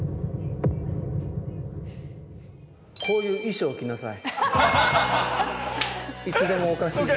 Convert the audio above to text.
こういう衣装を着なさい。